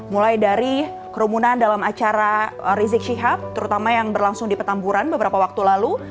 mulai dari kerumunan dalam acara rizik syihab terutama yang berlangsung di petamburan beberapa waktu lalu